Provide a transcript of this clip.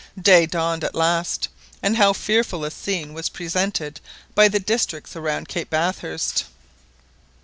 Day dawned at last, and how fearful a scene was presented by the districts around Cape Bathurst!